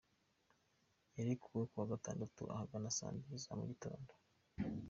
Yarekuwe kuwa Gatandatu ahagana saa mbili za mugitondo.